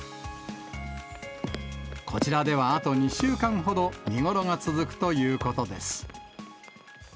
こちらでは、あと２週間ほど見頃が続くということです。